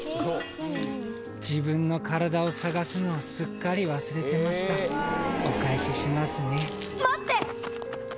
自分の体を探すのをすっかり忘れてましたお返ししますね待って！